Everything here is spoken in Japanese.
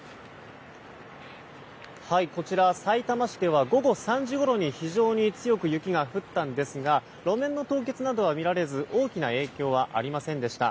こちら、さいたま市では午後３時ごろに非常に強く雪が降ったんですが路面の凍結などは見られず大きな影響はありませんでした。